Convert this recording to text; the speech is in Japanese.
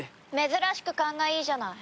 珍しく勘がいいじゃない。